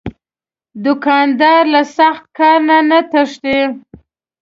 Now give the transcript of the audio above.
دوکاندار له سخت کار نه نه تښتي.